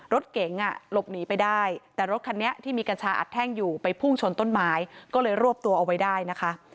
รถเก๋งหลบหนีไปได้แต่รถคันนี้ที่มีกัญชาอัดแท่งอยู่ไปพุ่งชนต้นไม้ก็เลยรวบตัวเอาไว้ได้นะคะ